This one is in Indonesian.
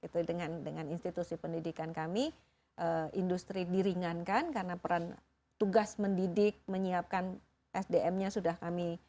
jadi dengan institusi pendidikan kami industri diringankan karena peran tugas mendidik menyiapkan sdm nya sudah kami